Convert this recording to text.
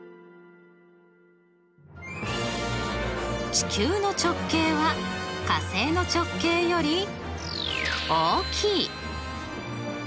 地球の直径は火星の直径より大きい。